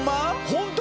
ホント？